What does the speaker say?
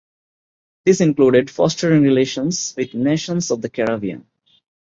This included fostering relations with nations of the Caribbean.